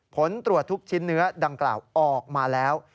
ผลตรวจทุกชิ้นเนื้อดังกล่าวออกมาแล้ว